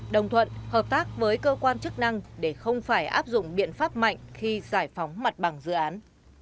đồng thuận hợp tác với cơ quan chức năng để không phải áp dụng biện pháp mạnh khi giải phóng mặt bằng dự án